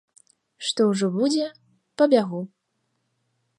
Што ўжо будзе, пабягу.